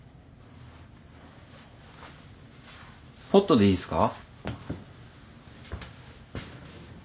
ホットでいいですか？